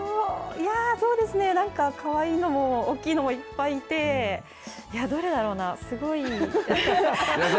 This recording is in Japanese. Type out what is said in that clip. そうですね、なんかかわいいのも大きいのもいっぱいいて、どれだろうな、すごい。